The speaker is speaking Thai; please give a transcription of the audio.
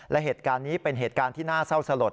และเหตุการณ์นี้เป็นเหตุการณ์ที่น่าเศร้าสลด